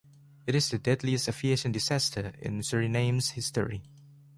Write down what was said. It is the deadliest aviation disaster in Suriname's history.